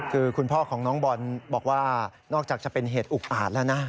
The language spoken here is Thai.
คือคุณพ่อของน้องบอลบอกว่านอกจากจะเป็นเหตุอุกอาจแล้วนะ